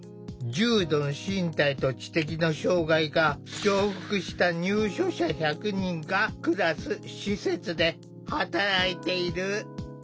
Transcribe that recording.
重度の身体と知的の障害が重複した入所者１００人が暮らす施設で働いている。